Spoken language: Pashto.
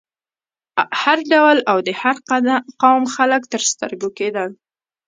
هر ډول او د هر قوم خلک تر سترګو کېدل.